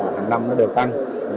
năm năm nó được tăng